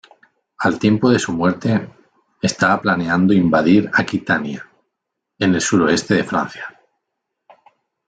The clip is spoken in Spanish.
Al tiempo de su muerte, estaba planeando invadir Aquitania, en el suroeste de Francia.